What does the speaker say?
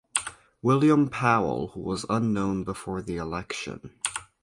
William Powell who was unknown before the election.